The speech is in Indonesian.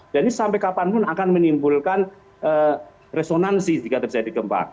dan ini sampai kapanpun akan menimbulkan resonansi jika terjadi gempa